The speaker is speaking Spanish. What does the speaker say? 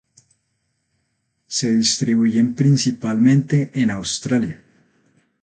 Se distribuyen principalmente en Australia.